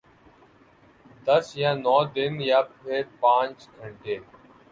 دس یا نو دن یا پھر پانچ گھنٹے؟